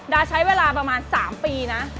ดาใช้เวลาประมาณ๓ปีนะ